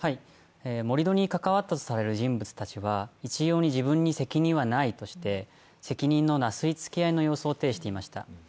盛り土に関わっていたとされる人物たちは、一様に自分には責任はないとして責任のなすり合いの様相を呈していました。